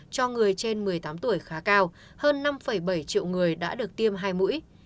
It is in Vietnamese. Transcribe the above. cho người trên một mươi tám tuổi khá cao hơn năm bảy triệu người đã được tiêm hai mũi